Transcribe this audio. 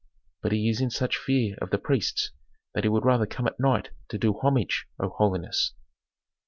But he is in such fear of the priests that he would rather come at night to do homage, O holiness."